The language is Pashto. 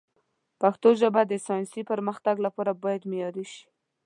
پښتو ژبه د ساینسي پرمختګ لپاره باید معیاري شي.